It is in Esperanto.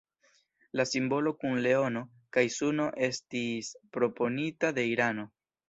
La simbolo kun leono kaj suno estis proponita de Irano.